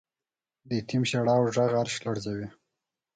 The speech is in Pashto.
د یتیم ژړا او غږ عرش لړزوی.